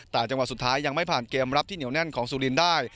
แต่จังหวะสุดท้ายยังไม่ผ่านเกมรับที่เหนียวแน่นของสุรินทร์ได้